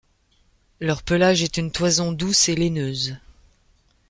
Leur pelage est une toison douce et laineuse.